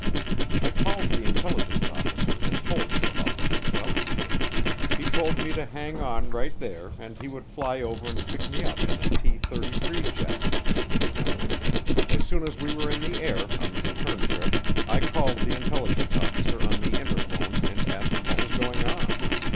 I called the intelligence officer and told him about the mix up. He told me to hang on right there and he would fly over and pick me up in a T 33 jet. As soon as we were in the air, on the return trip, I called the intelligence officer on the interphone and asked him what was going on.